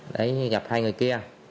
để gặp hai người kia